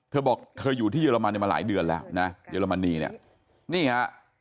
เธอบอกเธออยู่ที่เยอรมันเนี่ยมาหลายเดือนแล้วนะเยอรมนีเนี่ยนี่ฮะ